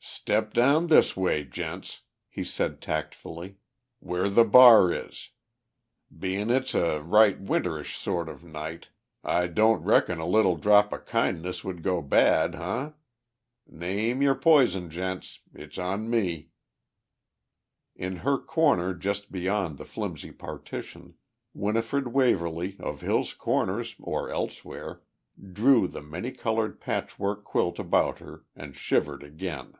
"Step down this way, gents," he said tactfully. "Where the bar is. Bein' it's a right winterish sort of night I don't reckon a little drop o' kindness would go bad, huh? Name your poison, gents. It's on me." In her corner just beyond the flimsy partition, Winifred Waverly, of Hill's Corners or elsewhere, drew the many coloured patch work quilt about her and shivered again.